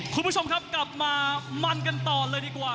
คุณผู้ชมครับกลับมามันกันต่อเลยดีกว่า